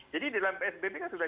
jadi dalam psbb kan sudah